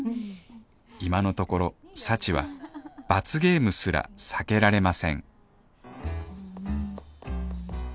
今のところ幸は罰ゲームすら避けられません